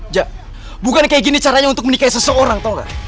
jak bukan kayak gini caranya untuk menikahi seseorang tau gak